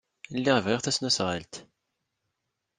Lliɣ bɣiɣ tasnasɣalt.